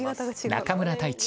中村太地